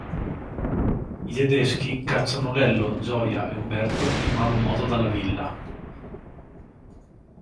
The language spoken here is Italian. I tedeschi cacciano Lello, Gioia e Umberto in malo modo dalla villa.